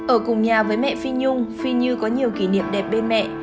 ở cùng nhà với mẹ phi nhung phi như có nhiều kỷ niệm đẹp bên mẹ